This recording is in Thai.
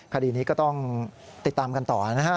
คดีนี้ก็ต้องติดตามกันต่อนะฮะ